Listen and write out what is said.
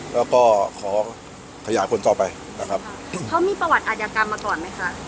แล้วก็ขอขยายผลต่อไปนะครับเขามีประวัติอาทยากรรมมาก่อนไหมคะ